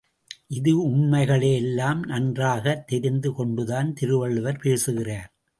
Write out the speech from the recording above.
இந்த உண்மைகளையெல்லாம் நன்றாகத் தெரிந்து கொண்டுதான் திருவள்ளுவர் பேசுகிறார்.